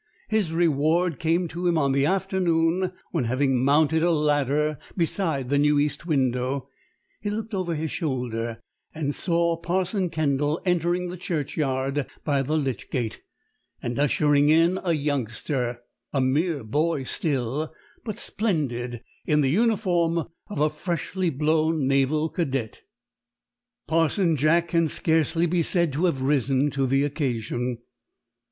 His reward came to him on the afternoon when, having mounted a ladder beside the new east window, he looked over his shoulder and saw Parson Kendall entering the churchyard by the lych gate, and ushering in a youngster a mere boy still, but splendid in the uniform of a freshly blown naval cadet. Parson Jack can scarcely be said to have risen to the occasion.